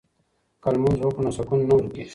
که لمونځ وکړو نو سکون نه ورکيږي.